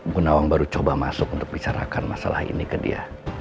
gunawang baru coba masuk untuk bicarakan masalah ini ke dia